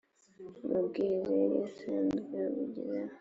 amabwiriza yari asanzwe awugenga